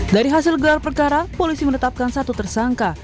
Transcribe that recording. dari hasil gelar perkara polisi menetapkan satu tersangka